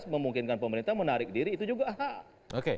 memungkinkan pemerintah menarik diri itu juga hak